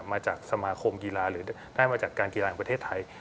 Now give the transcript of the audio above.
มาจากสมาคมกีฬาหรือได้มาจากการกีฬาของประเทศไทย